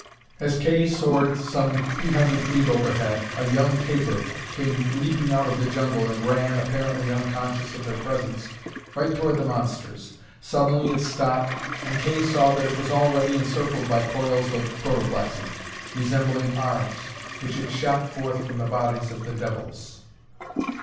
As Kay soared some three hundred feet overhead, a young tapir came leaping out of the jungle and ran, apparently unconscious of their presence, right toward the monsters. Suddenly it stopped, and Kay saw that it was already encircled by coils of protoplasm, resembling arms, which had shot forth from the bodies of the devils.